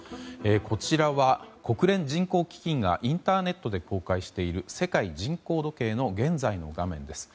こちらは国連人口基金がインターネットで公開している世界人口時計の現在の画面です。